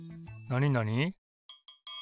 なになに？